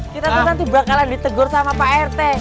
kita tuh nanti bakalan ditegur sama pak rt